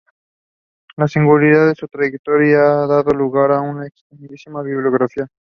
La singularidad de su trayectoria ha dado lugar a una extensísima bibliografía.